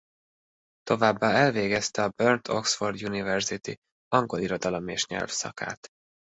Továbbá elvégezte a Burnt Oxford University angol irodalom és nyelv szakát.